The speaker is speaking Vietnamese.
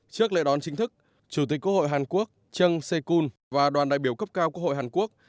trước lễ đón chính thức chủ tịch quốc hội hàn quốc jang si aek yoon và đoàn đại biểu cấp cao quốc hội hàn quốc